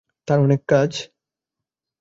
তাঁর অনেক কাজ।